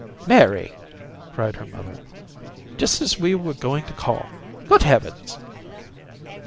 "Mary!" cried her mother. "Just as we were going to call! Good heavens!"